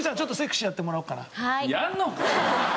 やんのかい！？